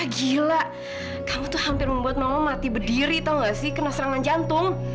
gila kamu tuh hampir membuat mama mati berdiri tau gak sih kena serangan jantung